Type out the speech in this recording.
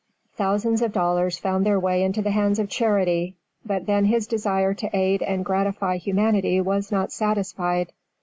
Thousands of dollars found their way into the hands of charity, but then his desire to aid and gratify humanity was not satisfied.